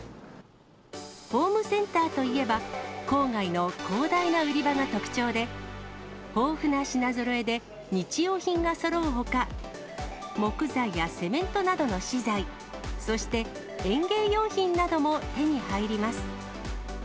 ホームセンターといえば、郊外の広大な売り場が特徴で、豊富な品ぞろえで日用品がそろうほか、木材やセメントなどの資材、そして園芸用品なども手に入ります。